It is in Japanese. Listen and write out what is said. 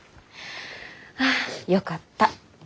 ああよかった。